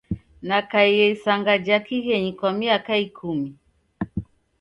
Nakaie isanga ja kighenyi kwa miaka ikumi.